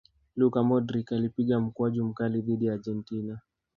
luka modric alipiga mkwaju mkali dhidi ya argentina